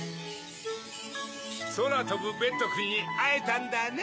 そらとぶベッドくんにあえたんだね。